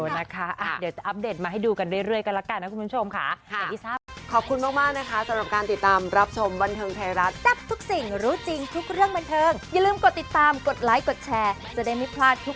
เดี๋ยวจะอัปเดตมาให้ดูกันเรื่อยกันละกันนะคุณผู้ชมค่ะ